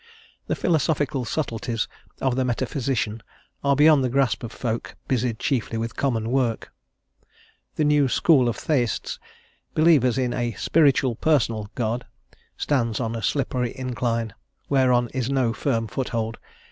The philosophical subtleties of the metaphysician are beyond the grasp of folk busied chiefly with common work. The new school of Theists, believers in a "spiritual personal God," stands on a slippery incline, whereon is no firm foothold.